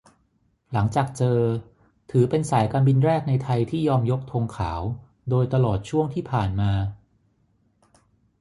หลังจากเจอ ถือเป็นสายการบินแรกในไทยที่ยอมยกธงขาว โดยตลอดช่วงที่ผ่านมา